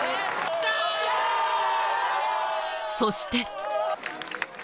そして。